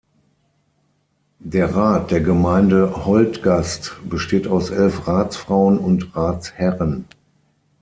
Der Rat der Gemeinde Holtgast besteht aus elf Ratsfrauen und Ratsherren.